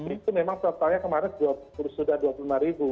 itu memang totalnya kemarin sudah dua puluh lima ribu